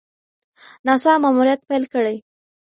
ناسا ماموریت پیل کړی.